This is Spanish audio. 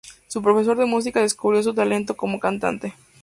Su profesor de música descubrió su talento como cantante.